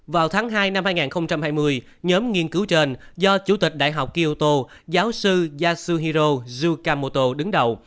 vào tháng hai năm hai nghìn hai mươi nhóm nghiên cứu trên do chủ tịch đại học kioto giáo sư yasuhiro zukamoto đứng đầu